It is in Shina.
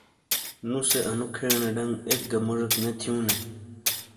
نو سے انو کھینے ڈنگ ایکگہ موڙیک نے تھیوں نے